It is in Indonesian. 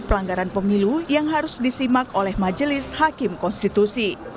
pelanggaran pemilu yang harus disimak oleh majelis hakim konstitusi